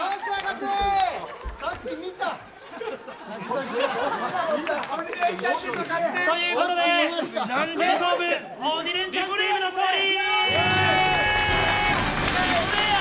さっき見た。ということで、このゲーム鬼レンチャンチームの勝利。